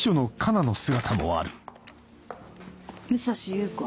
武蔵裕子。